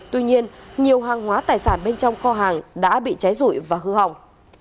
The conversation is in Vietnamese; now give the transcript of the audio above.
tuy nhiên nhiều hàng hóa tài sản bên trong kho hàng đã bị cháy rụi và hư hỏng